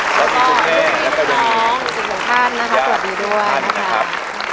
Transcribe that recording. สวัสดีคุณแม่สวัสดีคุณท่านนะครับ